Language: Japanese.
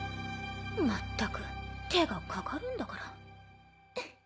まったく手がかかるんだから。